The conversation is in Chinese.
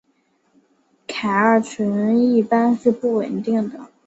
偕二醇一般是不稳定的。